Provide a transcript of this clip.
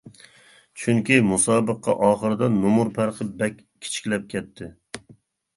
چۈنكى مۇسابىقە ئاخىرىدا نومۇر پەرقى بەك كىچىكلەپ كەتتى.